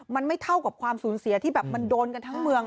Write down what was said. มันไม่เท่ากับความสูญเสียที่แบบมันโดนกันทั้งเมือง